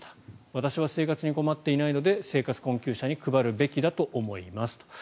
私は生活に困っていないので生活困窮者に配るべきだと思いますと。